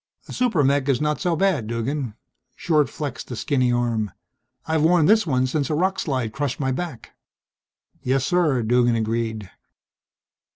"A super mech is not so bad, Duggan." Short flexed a skinny arm. "I've worn this one since a rock slide crushed my back." "Yes, sir," Duggan agreed.